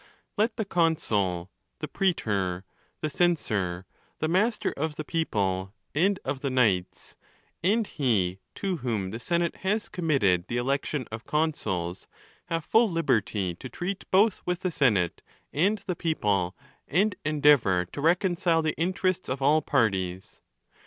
Let the consul, the preetor, the censor, the master of the people and of the 'knights, and he to whom the senate has committed the election of consuls, have full liberty to treat both with the senate and the people, and endeavour to recon 'cile the interests of all parties.